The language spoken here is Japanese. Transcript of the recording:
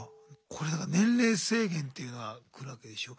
これだから年齢制限っていうのは来るわけでしょ。